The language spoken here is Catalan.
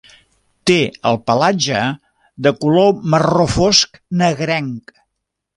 Té el pelatge de color marró fosc negrenc.